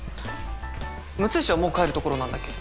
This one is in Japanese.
六石はもう帰るところなんだっけ？